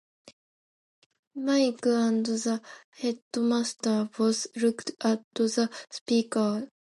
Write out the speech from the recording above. Mike and the headmaster both looked at the speaker.